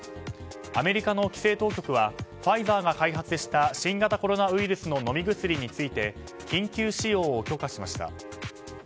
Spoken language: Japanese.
アメリカの規制当局はファイザーが開発した新型コロナウイルスの飲み薬について緊急使用を許可しました。